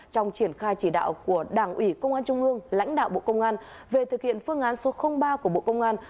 trong triển khai chỉ đạo của đảng ủy công an trung ương lãnh đạo bộ công an về thực hiện phương án số ba của bộ công an